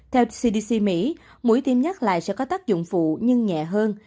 theo cdc mỹ mũi tiêm nhắc lại sẽ có tác dụng phụ nhưng nhẹ hơn